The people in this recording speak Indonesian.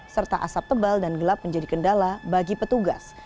serta asap tebal dan gelap menjadi kendala bagi petugas